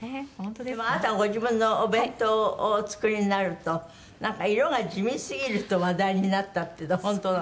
「でもあなたがご自分のお弁当をお作りになると色が地味すぎると話題になったっていうのは本当なの？」